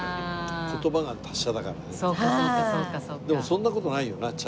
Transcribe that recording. でもそんな事ないよな。